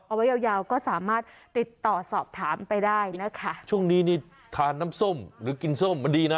เอาไว้ยาวยาวก็สามารถติดต่อสอบถามไปได้นะคะช่วงนี้นี่ทานน้ำส้มหรือกินส้มมันดีนะ